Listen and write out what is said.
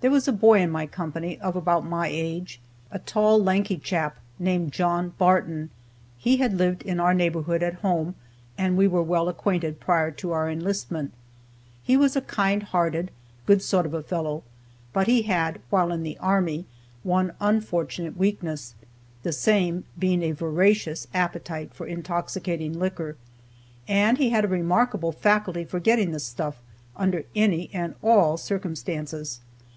There was a boy in my company of about my age; a tall, lanky chap, named John Barton. He had lived in our neighborhood at home, and we were well acquainted prior to our enlistment. He was a kind hearted, good sort of a fellow, but he had, while in the army, one unfortunate weakness, the same being a voracious appetite for intoxicating liquor. And he had a remarkable faculty for getting the stuff, under any and all circumstances.